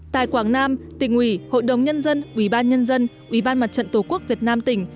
tại quảng nam tỉnh ủy hội đồng nhân dân ubnd ubnd tổ quốc việt nam tỉnh